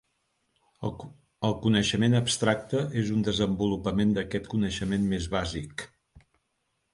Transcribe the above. El coneixement abstracte és un desenvolupament d'aquest coneixement més bàsic..